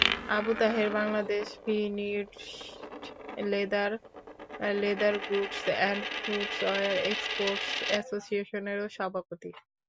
Abu Taher Bangladesh finished leather, leather goods and footwear exporters অ্যাসোসিয়েশনেরও সভাপতি।